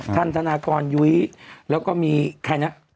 ธนากรยุ้ยแล้วก็มีใครนะ